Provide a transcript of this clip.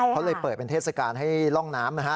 เขาเลยเปิดเป็นเทศกาลให้ร่องน้ำนะฮะ